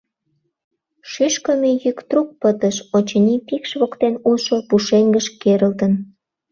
Шӱшкымӧ йӱк трук пытыш: очыни, пикш воктен улшо пушеҥгыш керылтын.